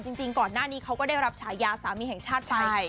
จริงก่อนหน้านี้เขาก็ได้รับฉายาสามีแห่งชาติไป